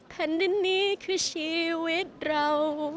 แผ่นดินนี้คือชีวิตเรา